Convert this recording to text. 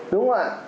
đúng không ạ